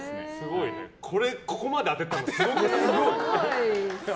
ここまで当てたの、すごくない？